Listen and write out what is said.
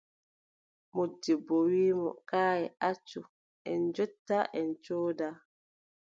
Moodibbo wii mo : kaay, accu en njotta, en cooda.